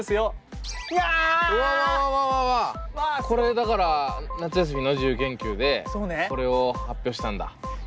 これだから夏休みの自由研究でこれを発表したんだ。